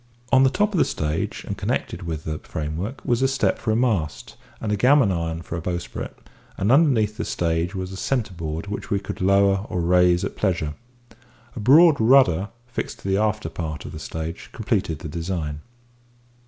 On the top of the stage, and connected with the framework, was a step for a mast, and a gammon iron for a bowsprit, and underneath the stage was a centre board which we could lower or raise at pleasure. A broad rudder, fixed to the after part of the stage, completed the design.